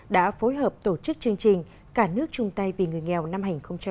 đã phối hợp tổ chức chương trình cả nước chung tay vì người nghèo năm hai nghìn hai mươi